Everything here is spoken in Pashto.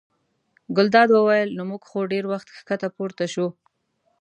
ګلداد وویل: نو موږ خو ډېر وخت ښکته پورته شوو.